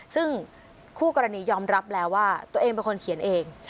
ซึ่งคู่กรณียอมรับแล้วว่าตัวเองเป็นคนเขียนเอง